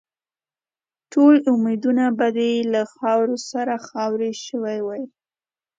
ټول امیدونه به دې له خاورو سره خاوري شوي وای.